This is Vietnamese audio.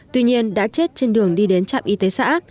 tuy nhiên đã chết trên đường đi đến trạm y tế xã